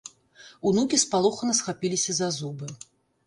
Унукі спалохана схапіліся за зубы.